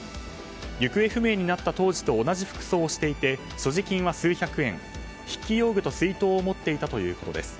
行方不明になった当時と同じ服装をしていて所持金は数百円筆記用具と水筒を持っていたということです。